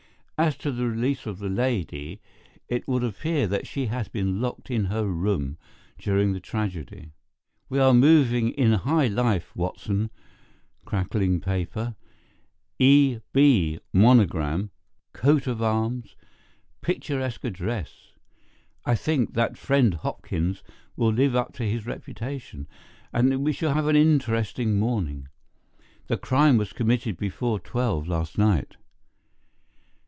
As to the release of the lady, it would appear that she has been locked in her room during the tragedy. We are moving in high life, Watson, crackling paper, 'E.B.' monogram, coat of arms, picturesque address. I think that friend Hopkins will live up to his reputation, and that we shall have an interesting morning. The crime was committed before twelve last night."